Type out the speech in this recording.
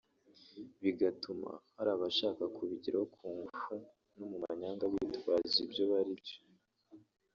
bigatuma hari abashaka kubigeraho ku ngufu no mu manyanga bitwaje ibyo bari byo